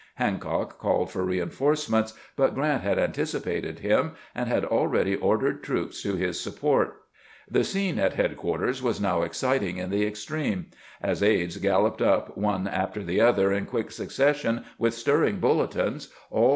Hancock called for reinforcements, but Grant had an ticipated him and had already ordered troops to his support. The scene at headquarters was now exciting in the extreme. As aides galloped up one after the other in quick succession with stirring bulletins, all.